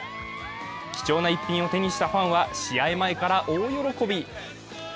貴重な一品を手にしたファンは試合前から大喜び。